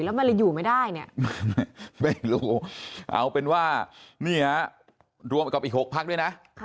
แล้วมันเลยอยู่ไม่ได้เนี่ยไม่รู้เอาเป็นว่านี่ฮะรวมกับอีก๖พักด้วยนะ